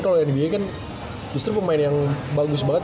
kalau nba kan justru pemain yang bagus banget